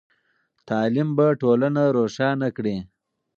تعلیم به ټولنه روښانه کړئ.